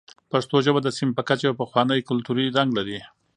پښتو ژبه د سیمې په کچه یو پخوانی کلتوري رنګ لري.